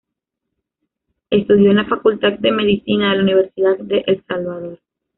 Estudió en la Facultad de Medicina de la Universidad de El Salvador.